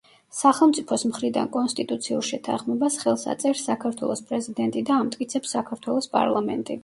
სახელმწიფოს მხრიდან კონსტიტუციურ შეთანხმებას ხელს აწერს საქართველოს პრეზიდენტი და ამტკიცებს საქართველოს პარლამენტი.